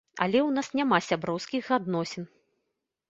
Але ў нас няма сяброўскіх адносін.